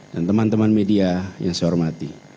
dan teman teman media yang saya hormati